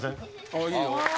ああいいよ。